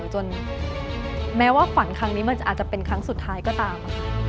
แม้ว่าฝันครั้งนี้มันอาจจะเป็นครั้งสุดท้ายก็ตาม